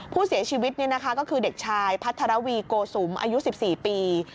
ผู้เสียชีวิตเนี่ยนะคะก็คือเด็กชายพัฒนาวีโกสุมอายุ๑๔ปี